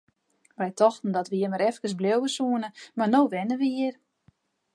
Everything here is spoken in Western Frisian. Wy tochten dat we hjir mar efkes bliuwe soene, mar no wenje we hjir!